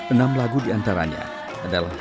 enam lagu diantaranya adalah